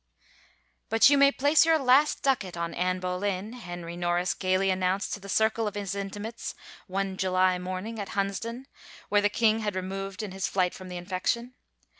" But you may place your last ducat on Anne Boleyn," Henry Norris gayly announced to the circle of his in timates one July morning at Hunsdon, where the king had removed in his flight from the infection.